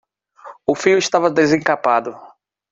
O fio estava desemcapado